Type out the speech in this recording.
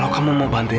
untuk membantu dia